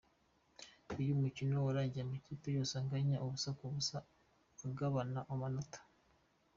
Uyu mukino warangiye amakipe yose anganya ubusa ku busa agabana amanota.